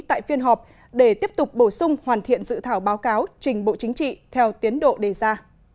tại phiên họp để tiếp tục bổ sung hoàn thiện dự thảo báo cáo trình bộ chính trị theo tiến độ đề ra